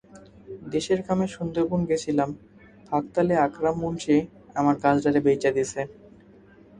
দেশের কামে সুন্দরবন গেছিলাম, ফাঁকতালে আকরাম মুন্সি আমার গাছডারে বেইচা দিছে।